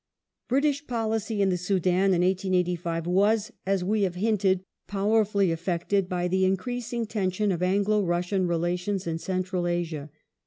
British policy in the Soudan in 1885 was, as we have hinted, England powerfully affected by the increasing tension of Anglo Russian^"^ .. relations in Central Asia.